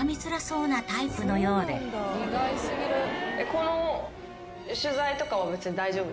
この取材とかは別に大丈夫でした？